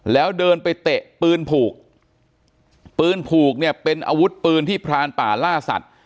แล้วเดินไปเตะปืนผูกปืนผูกเนี่ยเป็นอาวุธปืนที่พรานป่าล่าสัตว์